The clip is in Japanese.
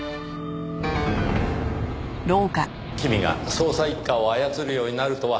君が捜査一課を操るようになるとは。